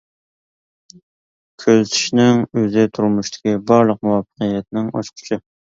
كۆزىتىشنىڭ ئۆزى تۇرمۇشتىكى بارلىق مۇۋەپپەقىيەتنىڭ ئاچقۇچى.